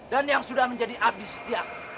dan yang sudah menjadi abdi setiaku